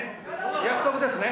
約束ですね。